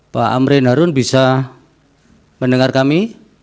pak amrin harun bisa mendengar kami